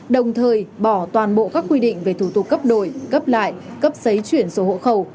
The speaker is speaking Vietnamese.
đồng thời bỏ toàn bộ các quy định về thủ tục cấp đổi cấp lại cấp giấy chuyển số hộ khẩu